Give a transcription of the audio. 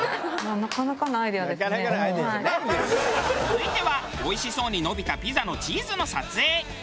続いてはおいしそうに伸びたピザのチーズの撮影。